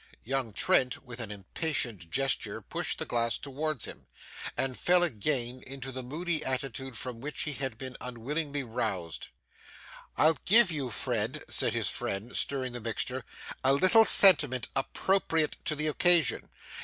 Young Trent with an impatient gesture pushed the glass towards him, and fell again in the moody attitude from which he had been unwillingly roused. 'I'll give you, Fred,' said his friend, stirring the mixture, 'a little sentiment appropriate to the occasion.